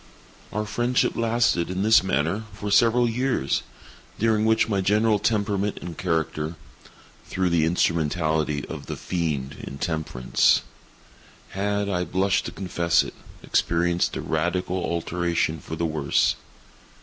Our friendship lasted, in this manner, for several years, during which my general temperament and character—through the instrumentality of the Fiend Intemperance—had (I blush to confess it) experienced a radical alteration for the worse.